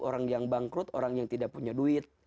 orang yang bangkrut orang yang tidak punya duit